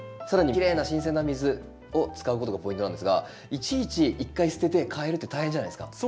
更にきれいな新鮮な水を使うことがポイントなんですがいちいち一回捨てて替えるって大変じゃないですか。